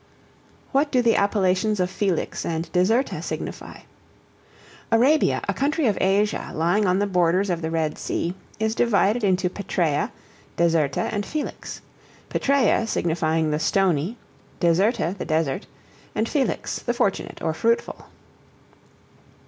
What do the appellations of Felix and Deserta signify? Arabia, a country of Asia, lying on the borders of the Red Sea, is divided into Petræa, Deserta, and Felix; Petræa, signifying the Stony; Deserta, the Desert; and Felix, the fortunate or fruitful.